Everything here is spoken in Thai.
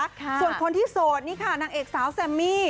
ส่วนคนที่โสดนี่ค่ะนางเอกสาวแซมมี่